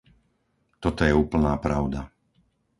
Toto je úplná pravda.